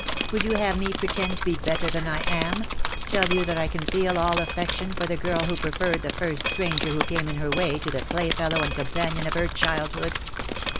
Would you have me pretend to be better than I am — tell you that I can feel all affection for the girl who preferred the first stranger who came in her way to the playfellow and companion of her childhood